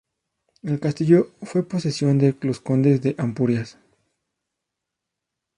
El castillo fue posesión de los condes de Ampurias.